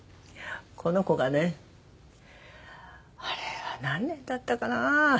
この子がねあれは何年だったかな？